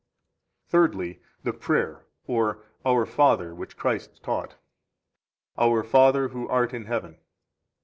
14 Thirdly THE PRAYER, OR "OUR FATHER," WHICH CHRIST TAUGHT. Our Father who art in heaven.